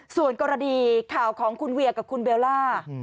ส่วนกรณีข่าวของคุณเวียกับคุณเบลล่า